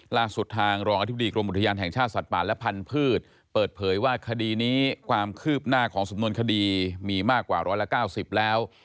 ล่าสุดทางรองอธิบดีกรมอุทยานแห่งชาติสัตว์ป่าและพันธุ์เปิดเผยว่าคดีนี้ความคืบหน้าของสำนวนคดีมีมากกว่า๑๙๐แล้ว